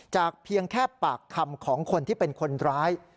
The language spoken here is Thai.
เพียงแค่ปากคำของคนที่เป็นคนร้าย